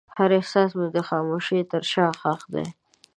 هر احساس مې د خاموشۍ تر شا ښخ دی.